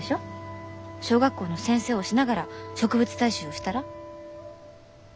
小学校の先生をしながら植物採集をしたら？